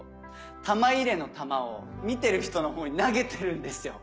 玉入れの玉を見てる人の方に投げてるんですよ。